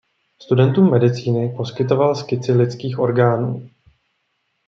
Studentům medicíny poskytoval skici lidských orgánů.